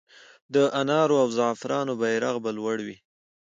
د انار او زعفرانو بیرغ به لوړ وي؟